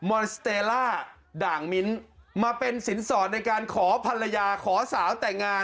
อาหารด่างมาเป็นสินสอดในการขอภรรยาขอสาวแต่งงาน